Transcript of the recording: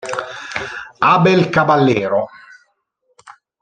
Abel Caballero